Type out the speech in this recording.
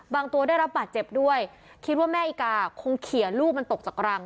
ตัวได้รับบาดเจ็บด้วยคิดว่าแม่อีกาคงเขียนลูกมันตกจากรัง